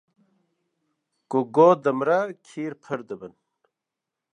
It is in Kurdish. Ku ga dimre kêr pir dibin.